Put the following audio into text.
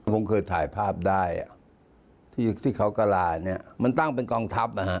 ผมเคยถ่ายภาพได้ที่เขากะลามันตั้งเป็นกองทัพ